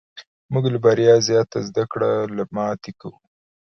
موږ له بریا زیاته زده کړه له ماتې کوو.